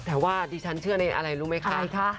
แต่ว่าดิฉันเชื่อในอะไรรู้ไหมคะ